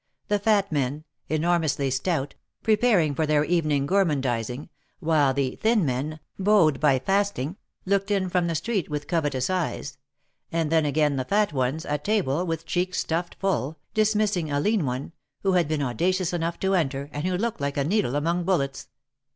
The Fat men, enor mously stout, preparing for their evening gourmand izing, while the Thin men, bowed by fasting, looked in from the street with covetous eyes, and then again the Fat ones, at table, with cheeks stuffed full, dismissing a Lean one, who had been audacious enough to enter, and who looked like a needle among bullets.